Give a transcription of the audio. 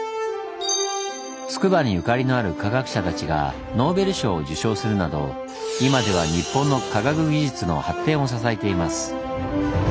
つくばにゆかりのある科学者たちがノーベル賞を受賞するなど今では日本の科学技術の発展を支えています。